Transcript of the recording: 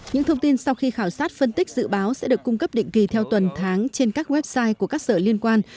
những thông tin sau khi khảo sát phân tích dự báo sẽ được cung cấp định kỳ theo tuần tháng trên các website của các sở liên quan